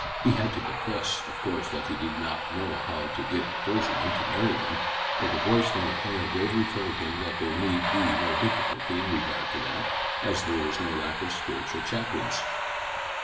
He had to confess, of course, that he did not know how to get a clergyman to marry them; but the voice from the corner gravely told him that there need be no difficulty in regard to that, as there was no lack of spiritual chaplains.